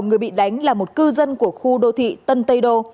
người bị đánh là một cư dân của khu đô thị tân tây đô